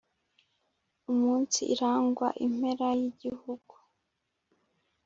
Umunsi irangwa impera y'igihugu